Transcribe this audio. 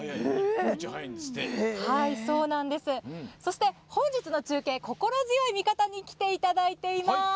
そして、本日の中継心強い味方に来ていただいています。